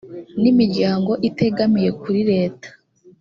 n imiryango itegamiye kuri leta